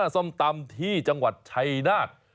ส้มตำที่จังหวัดชัยนาธ